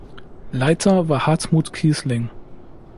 Leiter war Hartmut Kießling.